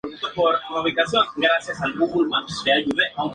Inicialmente el proyecto se titulaba "Leyenda del Escape".